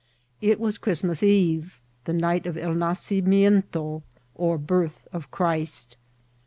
It was Christmas Eve, the night of El Nascimiento, or birth of Christ.